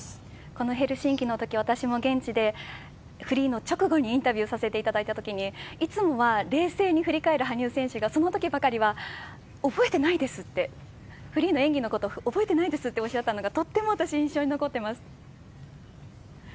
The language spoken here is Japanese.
このヘルシンキのとき、私も現地でフリーの直後にインタビューさせていただいたときに、いつもは冷静に振り返る羽生選手がそのときばかりは覚えてないですっておっしゃっていたのがとっても私、印象に残っています。